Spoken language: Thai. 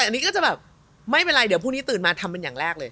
อันนี้ก็จะแบบไม่เป็นไรเดี๋ยวพรุ่งนี้ตื่นมาทำเป็นอย่างแรกเลย